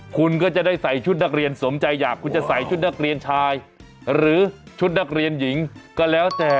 คุณก็จะได้ใส่ชุดนักเรียนสมใจอยากคุณจะใส่ชุดนักเรียนชายหรือชุดนักเรียนหญิงก็แล้วแต่